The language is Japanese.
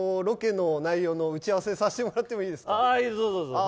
ロケの内容の打ち合わせさせてもらっていいですか。